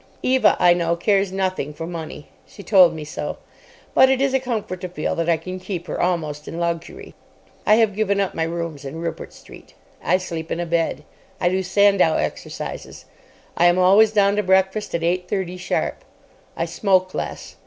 Eva, I know, cares nothing for money—she told me so—but it is a comfort to feel that I can keep her almost in luxury. I have given up my rooms in Rupert Street. I sleep in a bed. I do Sandow exercises. I am always down to breakfast at eight thirty sharp. I smoke less.